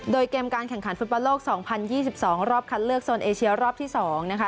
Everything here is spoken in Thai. โดยเกมการแข่งขันฟุตบอลโลก๒๐๒๒รอบคัดเลือกโซนเอเชียรอบที่๒นะคะ